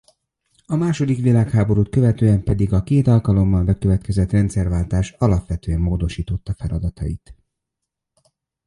A második világháborút követően pedig a két alkalommal bekövetkezett rendszerváltás alapvetően módosította feladatait.